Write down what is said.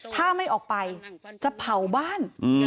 ถ้าไม่ออกไปจะเผาบ้าน